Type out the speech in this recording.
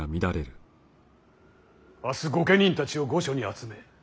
明日御家人たちを御所に集め